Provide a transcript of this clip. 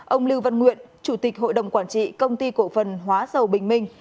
ông lưu văn nguyện chủ tịch hội đồng quản trị công ty cổ phần hóa dầu bình minh